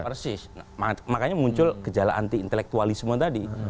persis makanya muncul gejala anti intelektualisme tadi